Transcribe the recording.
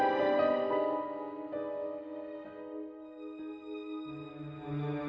aisyah nggak tahu kemana nih